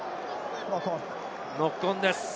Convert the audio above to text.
ノックオンです。